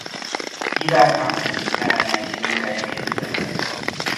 Iván Aszen leányági unokájaként született.